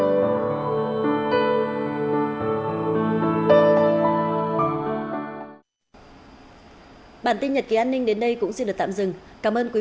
và mở cửa hàng ngày từ ngày một mươi bảy đến ngày một mươi bảy tháng ba tại bảo tàng hà nội